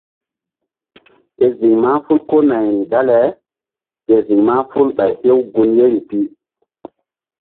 Ke ziŋ mahful ko nayri dale ke ziŋ mahful Ɓay hew gun yeri pi.